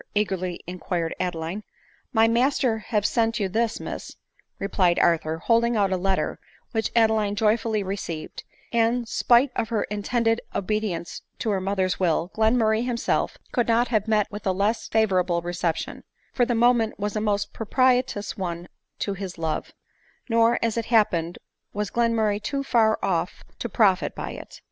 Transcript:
eagerly inquired Adeline. " My master have sent you this, Miss," replied Arthur, holding out a letter, which Adeline joyfully received; and, spite of her intended obedience to her mother's will, Glenmurray himself could not have met with a less fa vorable reception, for the moment was a most propitious one to his love ; nor, as it happened, was Glenmurray too far off to profit by it.